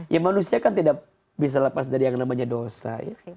ya manusia kan tidak bisa lepas dari yang namanya dosa ya